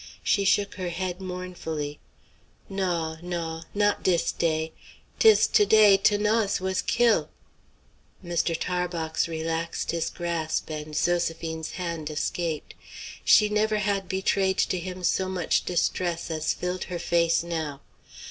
She shook her head mournfully. "Naw, naw; not dis day. 'Tis to day 'Thanase was kill'!" Mr. Tarbox relaxed his grasp and Zoséphine's hand escaped. She never had betrayed to him so much distress as filled her face now.